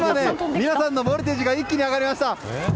皆さんのボルテージが一気に上がりました！